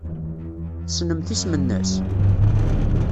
Tessnemt isem-nnes?